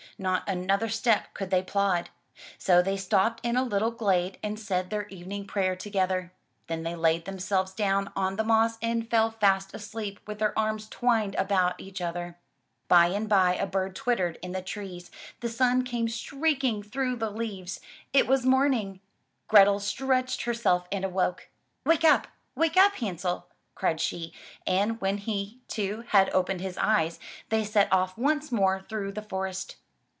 Not another step could they plod. So they stopped in a little glade and said their evening prayer together. Then they laid themselves down on the moss and fell fast asleep with their arms twined about each other. By and by a bird twittered in the trees, the sun came streak ing through the leaves — it was morning. Grethel stretched her self and awoke. "Wake up! Wake up. Hansel," cried she, and when he, too, had opened his eyes, they set off once more through the forest.